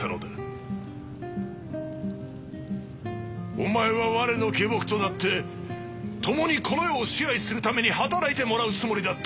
お前は我の下僕となって共にこの世を支配するために働いてもらうつもりだったのだ！